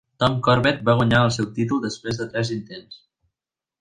Tom Corbett va guanyar el seu títol després de tres intents.